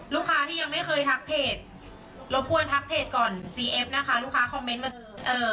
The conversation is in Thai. ลูกค้าที่ยังไม่ค่ะไปไปที่ตัวแรกก่อนเลย